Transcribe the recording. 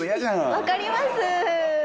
分かります。